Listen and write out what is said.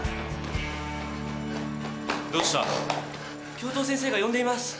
教頭先生が呼んでいます。